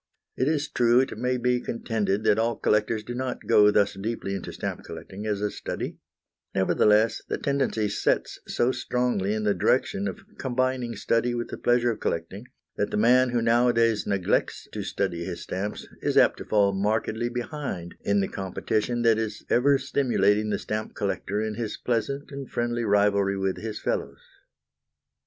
It is true it may be contended that all collectors do not go thus deeply into stamp collecting as a study; nevertheless the tendency sets so strongly in the direction of combining study with the pleasure of collecting, that the man who nowadays neglects to study his stamps is apt to fall markedly behind in the competition that is ever stimulating the stamp collector in his pleasant and friendly rivalry with his fellows.